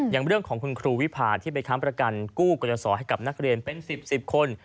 อย่างเรื่องของคุณครูวิพาที่ไปค้ำประกันกู้กรสอให้กับนักเรียนเป็น๑๐๑๐คน